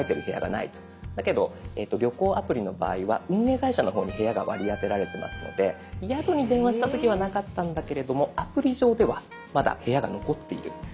だけど旅行アプリの場合は運営会社の方に部屋が割り当てられてますので宿に電話した時はなかったんだけれどもアプリ上ではまだ部屋が残っているそんなこともありますので。